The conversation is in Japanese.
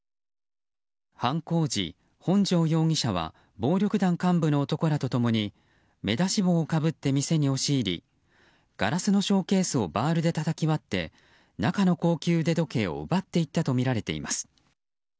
犯行時、本城容疑者は暴力団幹部の男らと共に目出し帽をかぶって店に押し入りガラスのショーケースをバールでたたき割って中の高級腕時計を奪っていったとみられています。